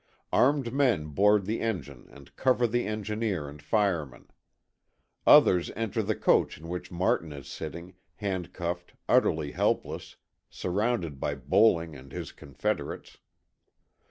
Armed men board the engine and cover the engineer and fireman. Others enter the coach in which Martin is sitting, handcuffed, utterly helpless, surrounded by Bowling and his confederates.